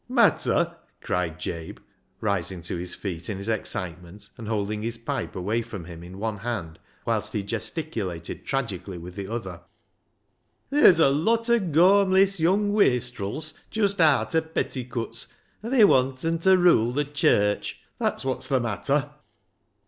" Matter? " cried Jabe, rising to his feet in his excitement, and holding his pipe away from him in one hand, whilst he gesticulated tragically with the other, "ther's a lot o' gawmliss young wastrils, just aat o' petticuts, an' they wanten ta rule th' church ; that's wot's th' matter."